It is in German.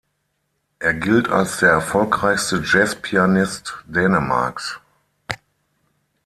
Er gilt als der erfolgreichste Jazzpianist Dänemarks.